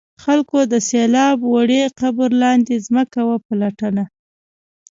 خلکو د سیلاب وړي قبر لاندې ځمکه وپلټله.